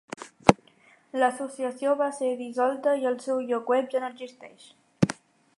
L'associació va ser dissolta i el seu lloc web ja no existeix.